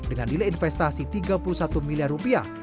dengan nilai investasi tiga puluh satu miliar rupiah